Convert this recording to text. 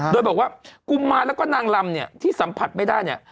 โดยบอกว่ากุมารแล้วก็นางลำเนี่ยที่สัมผัสไม่ได้เนี่ย